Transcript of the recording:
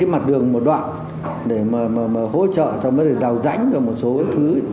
mặt đường một đoạn để hỗ trợ trong đào rãnh và một số thứ